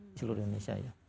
di seluruh indonesia ya